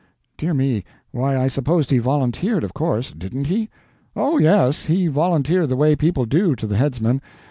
"Dear me, why I supposed he volunteered, of course. Didn't he?" "Oh, yes, he volunteered the way people do to the headsman.